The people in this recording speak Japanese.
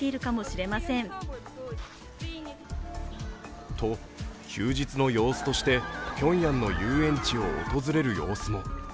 更にと、休日の様子としてピョンヤンの遊園地を訪れる様子も。